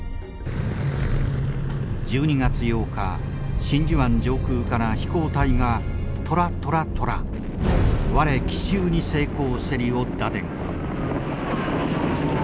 １２月８日真珠湾上空から飛行隊が「トラトラトラ」「我奇襲に成功せり」を打電。